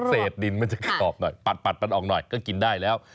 เศษดินมันจะกรอบหน่อยปัดมันออกหน่อยก็กินได้แล้ว